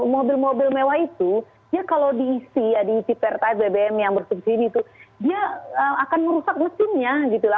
mobil mobil mewah itu ya kalau diisi ya diisi pertive bbm yang bersubsidi itu dia akan merusak mesinnya gitu lah